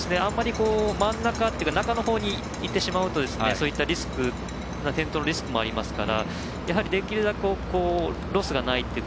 真ん中、中のほうに行ってしまうとそういった転倒のリスクもありますからできるだけロスがないっていうか